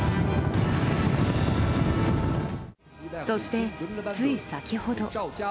そして、つい先ほど。